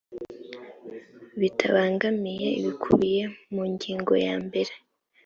bitabangamiye ibikubiye mu ngingo ya mbere